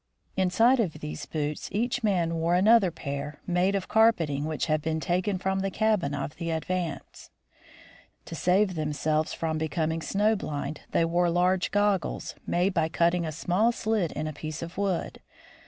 Inside of these boots each man wore another pair, made of carpeting which had been taken from the cabin of the Advance. To save themselves from becoming snow blind, they wore large goggles, made by cutting a small slit in a piece of wood.